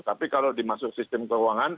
tapi kalau dimasuk sistem keuangan